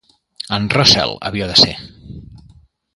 En Russell havia de ser...